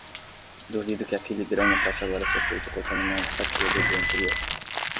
Duvido que a filigrana possa agora ser feita cortando uma fatia do dia anterior.